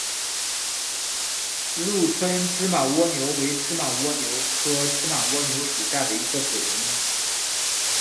鹿村芝麻蜗牛为芝麻蜗牛科芝麻蜗牛属下的一个种。